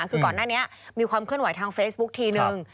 คือก่อนหน้านี้มีความเคลื่อนไหวทางเฟซบุ๊คทีนึง